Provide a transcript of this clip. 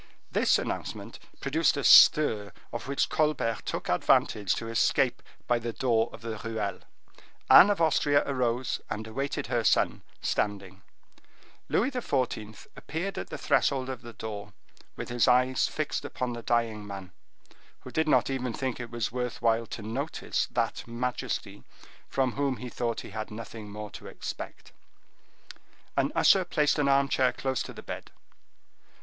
This announcement produced a stir of which Colbert took advantage to escape by the door of the ruelle. Anne of Austria arose, and awaited her son, standing. Louis XIV. appeared at the threshold of the door, with his eyes fixed upon the dying man, who did not even think it worth while to notice that majesty from whom he thought he had nothing more to expect. An usher placed an armchair close to the bed.